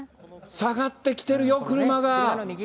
下がってきてるよ、車が。